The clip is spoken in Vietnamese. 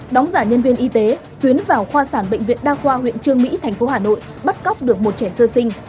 đóng giả nhân viên y tế tuyến vào khoa sản bệnh viện đa khoa huyện trương mỹ thành phố hà nội bắt cóc được một trẻ sơ sinh